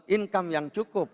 income yang cukup